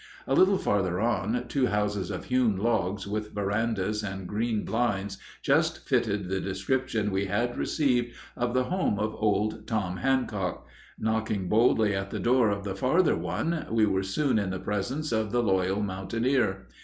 A little farther on, two houses, of hewn logs, with verandas and green blinds, just fitted the description we had received of the home of old Tom Handcock. Knocking boldly at the door of the farther one, we were soon in the presence of the loyal mountaineer.